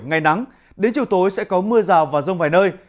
ngày nắng đến chiều tối sẽ có mưa rào và rông vài nơi